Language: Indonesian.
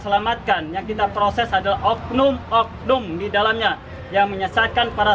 selamatkan yang kita proses adalah oknum oknum di dalamnya yang menyesalkan para